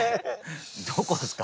どこですか？